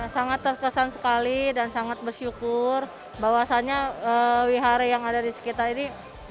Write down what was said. sangat terkesan sekali dan sangat bersyukur bahwasannya wihara yang ada di sekitar ini